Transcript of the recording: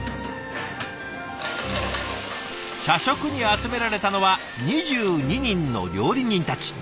社食に集められたのは２２人の料理人たち。